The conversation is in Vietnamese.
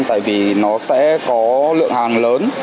tại vì nó sẽ có lượng hàng lớn